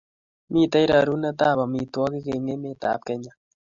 Mitei rerunetab amitwogik eng emetab Kenya